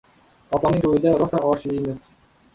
— Opamning to‘yida rosa osh yeymiz!